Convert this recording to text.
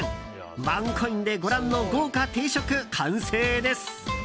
ワンコインでご覧の豪華定食、完成です。